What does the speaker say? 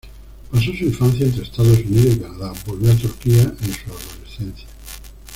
Pasó su infancia entre Estados Unidos y Canadá, volvió a Turquía en su adolescencia.